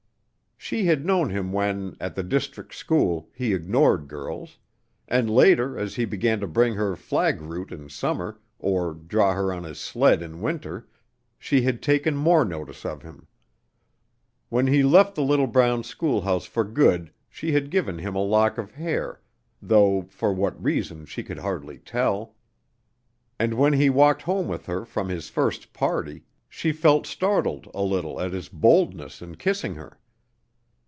She had known him when, at the district school, he ignored girls; and later, as he began to bring her flag root in summer, or draw her on his sled in winter, she had taken more notice of him. When he left the little brown schoolhouse for good she had given him a lock of hair, though for what reason she could hardly tell; and when he walked home with her from his first party she felt startled a little at his boldness in kissing her.